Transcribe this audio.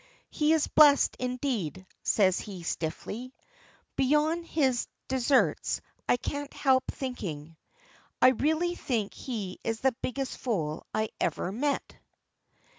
"He is blessed indeed," says he stiffly. "Beyond his deserts I can't help thinking. I really think he is the biggest fool I ever met."